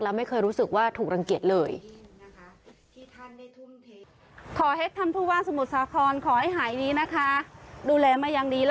และไม่เคยรู้สึกว่าถูกรังเกียจเลย